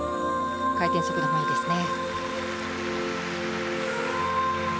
回転速度もいいですね。